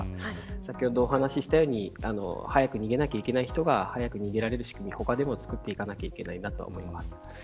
先ほどお話ししたように早く逃げない人が早く逃げられる仕組みを他でも作っていかなきゃいけないなと思います。